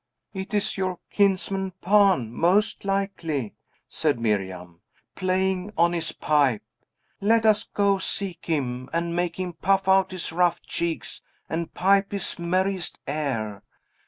"It is your kinsman, Pan, most likely," said Miriam, "playing on his pipe. Let us go seek him, and make him puff out his rough cheeks and pipe his merriest air!